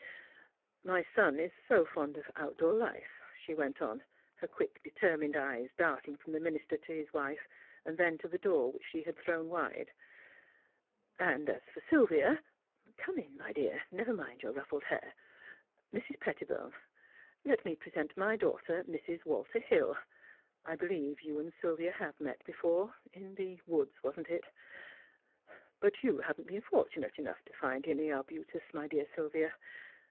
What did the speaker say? *' My son is so fond of outdoor life," she went on, her quick, determined eyes darting from the minister to his wife, then to the door which she had thrown wide. *' And as THE HILL FAMILY 63 for Sylvia Come in, my dear; never mind your ruffled hair. Mrs. Pettibone, let me present my daughter, Mrs. Walter Hill. I believe you and Sylvia have met before — in the woods, wasn't it? But you haven't been fortunate enough to find any arbutus, my dear Sylvia.